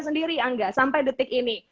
sendiri angga sampai detik ini